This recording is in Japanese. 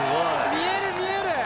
見える見える！